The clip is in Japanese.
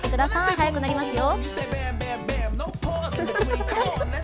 早くなりますよ。